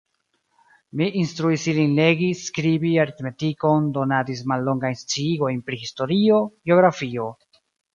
Mi instruis ilin legi, skribi, aritmetikon, donadis mallongajn sciigojn pri historio, geografio.